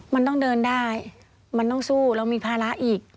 มันต้องเดินได้มันต้องสู้แล้วมีภาระอีก